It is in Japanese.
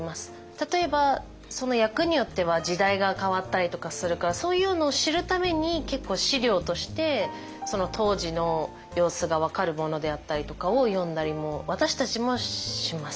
例えばその役によっては時代が変わったりとかするからそういうのを知るために結構資料としてその当時の様子が分かるものであったりとかを読んだりも私たちもします。